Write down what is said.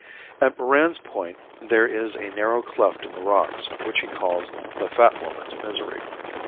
At Moran's Point there is a narrow cleft in the rocks which he calls the Fat Woman's Misery.